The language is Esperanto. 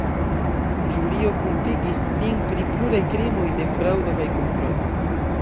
Ĵurio kulpigis lin pri pluraj krimoj de fraŭdo kaj komploto.